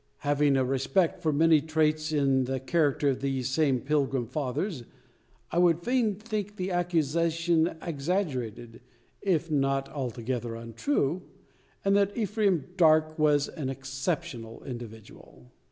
Having a respect for many traits in the character of these same Pilgrim Fathers, I would fain think the accusation exaggerated if not altogether untrue and that Ephraim Darke was an exceptional individual.